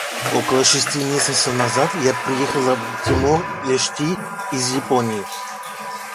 Около шести месяцев назад я приехала в Тимор-Лешти из Японии.